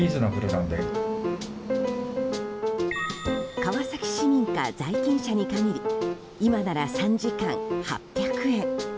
川崎市民か在勤者に限り今なら３時間８００円。